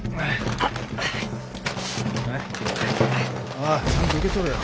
おいちゃんと受け取れよ。